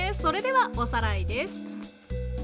それではおさらいです。